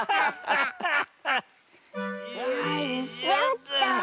よいしょっと。